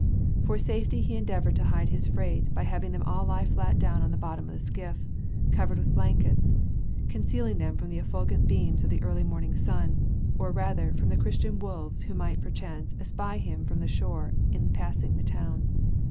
For safety he endeavored to hide his freight by having them all lie flat down on the bottom of the skiff; covered them with blankets, concealing them from the effulgent beams of the early morning sun, or rather from the "Christian Wolves" who might perchance espy him from the shore in passing the town.